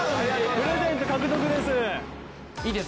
プレゼント獲得です。